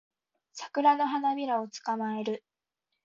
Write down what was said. サクラの花びらを捕まえる